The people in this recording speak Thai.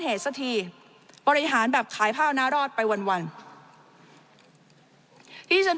เหตุสักทีบริหารแบบขายข้าวหน้ารอดไปวันที่ฉัน